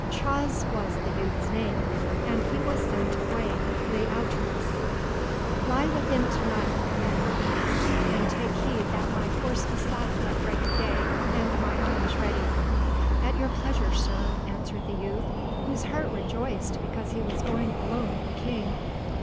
Chaus was the youth's name, and he was son to Gwain li Aoutres. "Lie within to night," commanded the King, "and take heed that my horse be saddled at break of day, and my arms ready." "At your pleasure, Sir," answered the youth, whose heart rejoiced because he was going alone with the King.